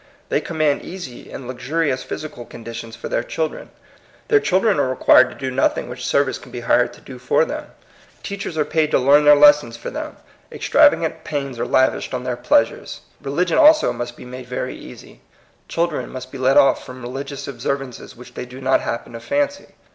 They command easy and luxurious physical conditions for their children. Their children are required to do nothing which service can be hired to do for them. Teachers are paid to learn 112 THE COMING PEOPLE. their leBSOos for them. KxtraTagant puns are lavished on their pleasures. Religion aUo must be made very easy, children must be let off from religious observances which they do not happen to fancy.